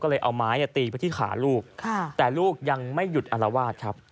ก็เลยเอาไม้ตีไปที่ขาลูกแต่ลูกยังไม่หยุดอารวาสครับ